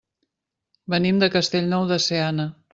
Venim de Castellnou de Seana.